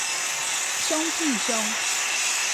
兇屁兇